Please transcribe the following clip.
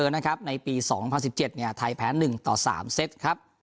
นะครับในปีสองพันสิบเจ็ดเนี่ยไทยแพ้หนึ่งต่อสามเซตครับ